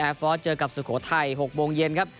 ฟอร์สเจอกับสุโขทัย๖โมงเย็นครับ